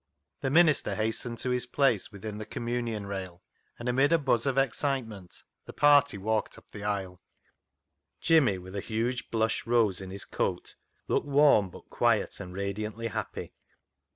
The minister hastened to his place within the communion rail, and amid a buzz of excitement the party walked up the aisle. Jimmy, with a huge blush rose in his coat, looked warm, but quiet and radiantly happy.